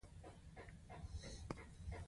راته ويل يې عصمته د افغان ناسيوناليستي سياست.